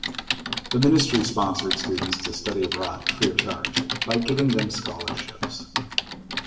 The ministry sponsored students to study abroad free of charge by giving them scholarships.